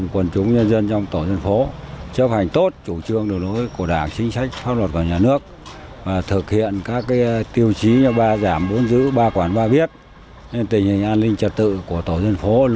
không có những bộ việc xảy ra